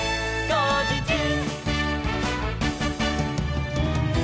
「こうじちゅう！！」